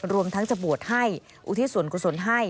รวมทั้งจะบวชให้อุทิศส่วนกุศลให้